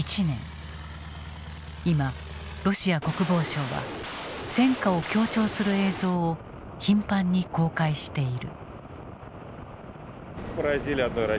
今ロシア国防省は戦果を強調する映像を頻繁に公開している。